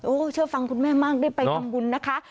เชื่อฟังคุณแม่มากได้ไปทำบุญนะคะ